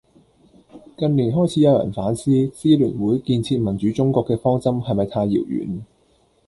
近年開始有人反思，支聯會「建設民主中國」嘅方針係咪太遙遠